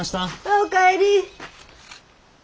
お帰り。